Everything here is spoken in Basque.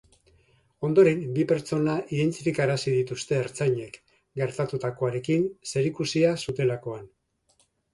Ondoren, bi pertsona identifikarazi dituzte ertzainek, gertatutakoarekin zerikusia zutelakoan.